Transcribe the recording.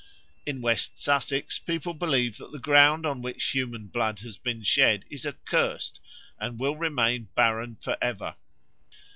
In West Sussex people believe that the ground on which human blood has been shed is accursed and will remain barren for ever.